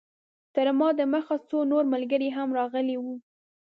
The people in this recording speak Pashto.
تر ما د مخه څو نور ملګري هم راغلي وو.